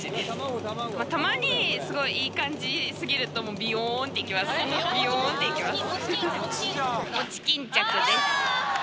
たまにすごいいい感じすぎると、びよーんっていきます、びよーんっていきます。